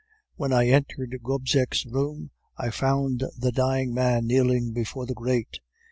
"When I entered Gobseck's room, I found the dying man kneeling before the grate.